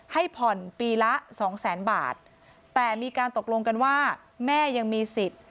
ให้ผ่อนปีละสองแสนบาทแต่มีการตกลงกันว่าแม่ยังมีสิทธิ์